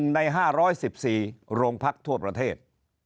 ใน๕๑๔โรงพักทั่วประเทศ